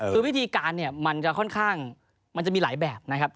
คือวิธีการเนี่ยมันจะค่อนข้างมันจะมีหลายแบบนะครับ